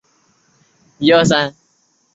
众多企业和教育科研机构入驻高新区。